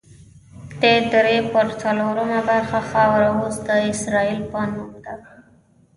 دې درې پر څلورمه برخه خاوره اوس د اسرائیل په نوم ده.